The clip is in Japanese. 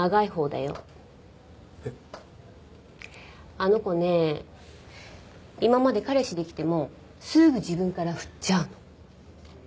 あの子ね今まで彼氏できてもすぐ自分からフッちゃうの。